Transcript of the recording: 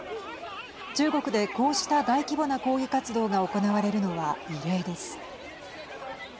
中国で、こうした大規模な抗議活動が行われるのは異例です。